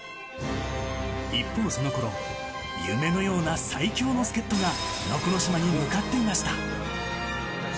一方、そのころ、夢のような最強の助っ人が能古島に向かっていました。